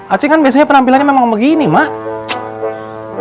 aci kan biasanya penampilannya memang begini mak